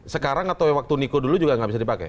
sekarang atau waktu niko dulu juga nggak bisa dipakai